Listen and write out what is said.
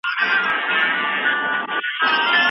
د شیدو ویالې دي ستاوي د شربتو کوثرونه